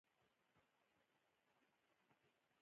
سوله د منلو له لارې راځي.